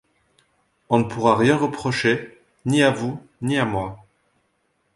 On ne pourra rien reprocher, ni à vous, ni à moi.